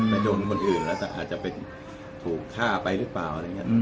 แล้วก็จะไปจนคนอื่นอาจจะไปถูกฆ่าไปหรือเปล่า